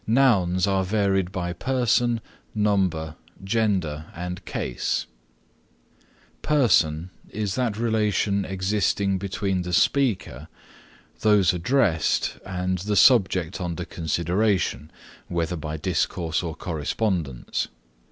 Nouns are varied by Person, Number, Gender, and Case. Person is that relation existing between the speaker, those addressed and the subject under consideration, whether by discourse or correspondence.